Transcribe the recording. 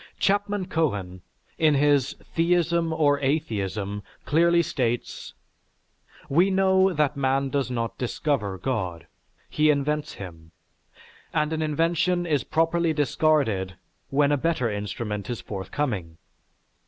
Chapman Cohen, in his "Theism or Atheism," clearly states: "We know that man does not discover God, he invents him, and an invention is properly discarded when a better instrument is forthcoming.